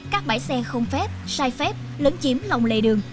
các bãi xe không phép sai phép lấn chiếm lòng lề đường